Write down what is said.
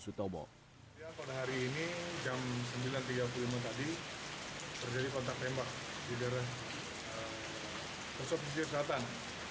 pada hari ini jam sembilan tiga puluh lima tadi terjadi kontak tembak di daerah pesok pesisir selatan